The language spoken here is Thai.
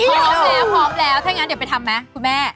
พร้อมแล้วถ้าอย่างนั้นเดี๋ยวไปทำมาคุณแม่